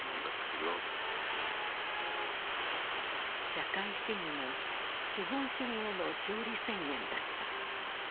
社会主義の資本主義への勝利宣言だった。